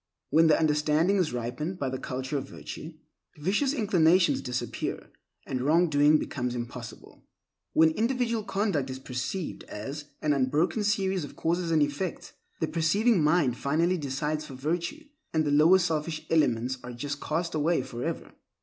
When the understanding is ripened by the culture of virtue, vicious inclinations disappear, and wrong doing becomes impossible. When individual conduct is perceived as an unbroken series of causes and effects, the perceiving mind finally decides for virtue, and the lower selfish elements are just cast away forever.